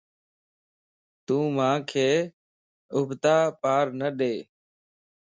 تون مانک اڀتا پار نه ڏي